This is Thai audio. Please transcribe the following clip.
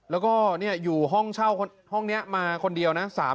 แล้วก็อยู่ห้องเช่าห้องนี้มาคนเดียวนะ